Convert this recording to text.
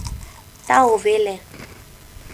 Тау веле.